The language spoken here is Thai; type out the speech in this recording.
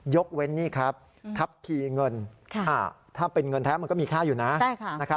ยกเว้นนี่ครับทัพพีเงินถ้าเป็นเงินแท้มันก็มีค่าอยู่นะ